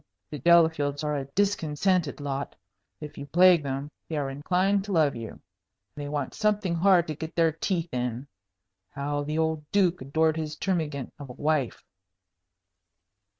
The Delafields are a discontented lot. If you plague them, they are inclined to love you. They want something hard to get their teeth in. How the old Duke adored his termagant of a wife!"